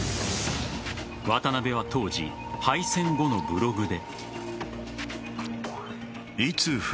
渡辺は当時、敗戦後のブログで。